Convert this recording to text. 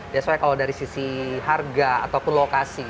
biasanya kalau dari sisi harga ataupun lokasi